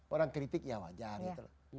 orang kritik ya wajar gitu loh